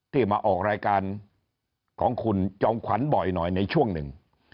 มาออกรายการของคุณจอมขวัญบ่อยหน่อยในช่วงหนึ่ง